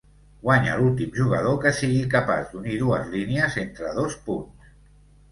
Guanya l'últim jugador que sigui capaç d'unir dues línies entre dos punts.